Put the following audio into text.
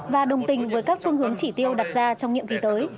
và đồng tình với các phương hướng chỉ tiêu đặt ra trong nhiệm kỳ tới